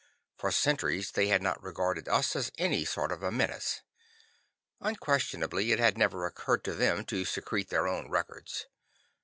For centuries they had not regarded us as any sort of a menace. Unquestionably it had never occurred to them to secrete their own records.